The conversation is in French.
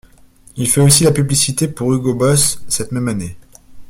Il fait aussi la publicité pour Hugo Boss cette même année.